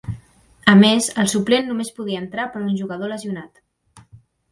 A més, el suplent només podia entrar per un jugador lesionat.